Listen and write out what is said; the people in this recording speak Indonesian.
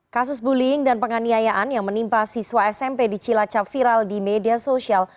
kasus bullying dan penganiayaan yang menimpa siswa smp di cilacap viral di media sosial